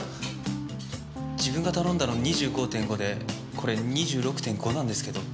自分が頼んだの２５．５でこれ２６．５なんですけど。